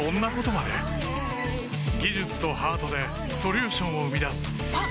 技術とハートでソリューションを生み出すあっ！